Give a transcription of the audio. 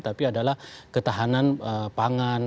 tapi adalah ketahanan pangan